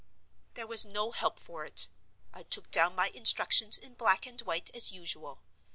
There was no help for it. I took down my instructions in black and white, as usual.